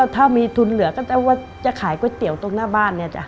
ถ้ามีทุนเหลือก็จะขายก๋วยเตี๋ยวตรงหน้าบ้าน